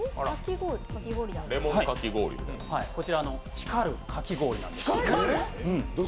こちら光るかき氷なんです。